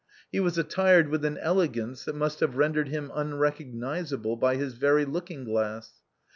He was attired with an elegance that must have rendered him unrecognizable by his very looking glass.